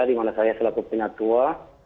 di mana saya selaku penyatua